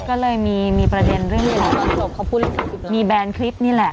ก็เลยมีมีประเด็นเรื่องเรื่องมีแบนคลิปนี่แหละ